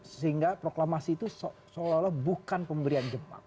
sehingga proklamasi itu seolah olah bukan pemberian jepang